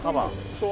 そう。